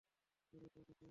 বলো তো এটা কে?